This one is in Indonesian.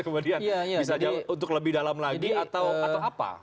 bisa untuk lebih dalam lagi atau apa